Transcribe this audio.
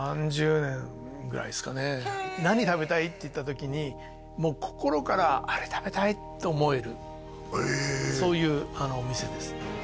僕ももう何食べたい？って言った時に心からあれ食べたいって思えるそういうお店です